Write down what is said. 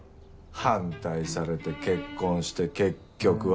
反対されて結婚して結局別れる。